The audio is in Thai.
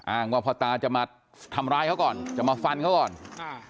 ว่าพ่อตาจะมาทำร้ายเขาก่อนจะมาฟันเขาก่อนค่ะ